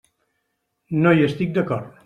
No hi estic d'acord.